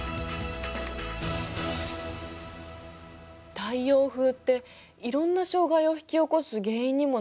太陽風っていろんな障害を引き起こす原因にもなるのね。